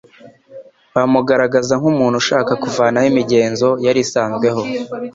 Bamugaragazaga nk’umuntu ushaka kuvanaho imigenzo yari isanzweho,